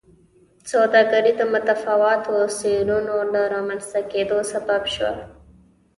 سوداګري د متفاوتو مسیرونو د رامنځته کېدو سبب شوه.